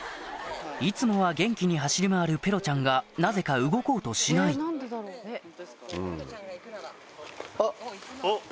いつもは元気に走り回るペロちゃんがなぜか動こうとしないあっ。